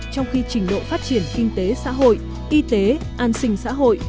trong khi trình độ phát triển kinh tế xã hội y tế an sinh xã hội